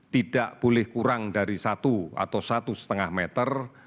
tidak boleh kurang dari satu atau satu lima meter